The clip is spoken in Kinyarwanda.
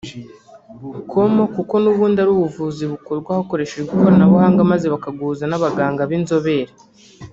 com kuko n’ubundi ari ubuvuzi bukorwa hakoreshejwe ikoranabuhanga maze bakaguhuza n’abaganga b’inzobere